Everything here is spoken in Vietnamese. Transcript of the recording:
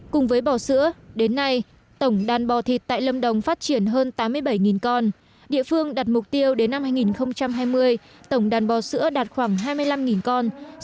cùng với bò sữa đến nay tổng đàn bò thịt tại lâm đồng phát triển hơn tám mươi bảy con địa phương đạt mục tiêu đến năm hai nghìn hai mươi tổng đàn bò sữa đạt khoảng hai mươi năm con sản lượng sữa tươi một trăm linh tấn một năm và hơn một trăm linh con bò thịt